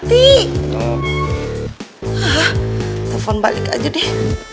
telepon balik aja deh